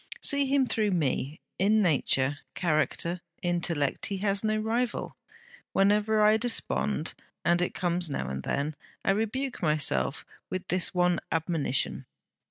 See him through me. In nature, character, intellect, he has no rival. Whenever I despond and it comes now and then I rebuke myself with this one admonition.